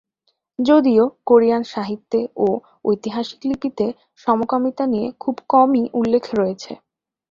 যদিও, কোরিয়ান সাহিত্যে ও ঐতিহাসিক লিপিতে সমকামিতা নিয়ে খুব কমই উল্লেখ রয়েছে।